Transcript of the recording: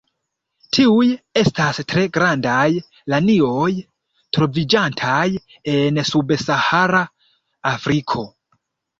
Tiuj estas tre grandaj lanioj troviĝantaj en subsahara Afriko.